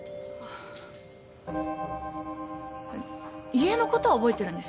家のことは覚えてるんでしょ？